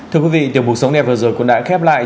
thưa quý vị tiểu mục sống đẹp vừa rồi cũng đã khép lại